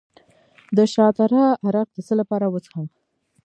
د شاه تره عرق د څه لپاره وڅښم؟